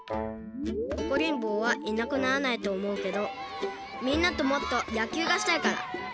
おこりんぼうはいなくならないとおもうけどみんなともっとやきゅうがしたいから。